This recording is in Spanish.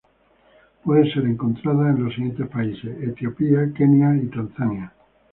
Puede ser encontrada en los siguientes países: Etiopía, Kenia y Tanzania.